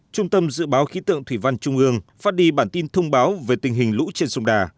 trung tâm dự báo khí tượng thủy văn trung ương phát đi bản tin thông báo về tình hình lũ trên sông đà